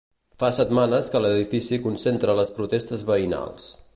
Fa setmanes que l'edifici concentra les protestes veïnals.